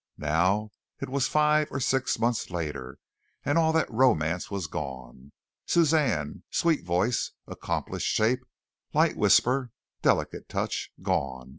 Now, it was five or six months later, and all that romance was gone. Suzanne, sweet voice, accomplished shape, light whisper, delicate touch. Gone.